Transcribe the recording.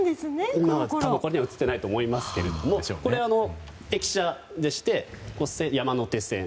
ここには映っていないと思いますがこれは駅舎でして、山手線